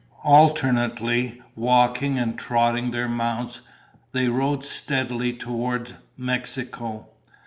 Alternately walking and trotting their mounts, they rode steadily toward Mexico.